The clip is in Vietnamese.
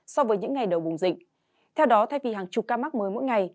so với những ngày đầu bùng dịch theo đó thay vì hàng chục ca mắc mới mỗi ngày